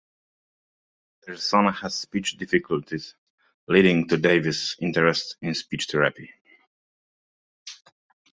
Their son has speech difficulties, leading to Davey's interest in speech therapy.